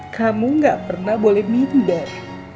kamu gak pernah boleh minder